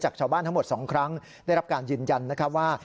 ชาวบ้านทั้งหมด๒ครั้งได้รับการยืนยันนะครับว่า